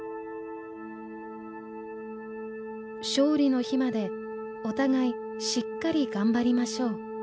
「勝利の日までお互いしっかり頑張りましょう。